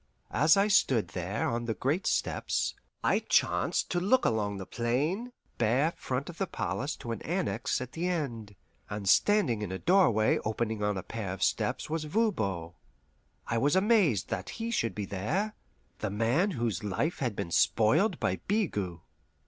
As I stood there on the great steps, I chanced to look along the plain, bare front of the palace to an annex at the end, and standing in a doorway opening on a pair of steps was Voban. I was amazed that he should be there the man whose life had been spoiled by Bigot.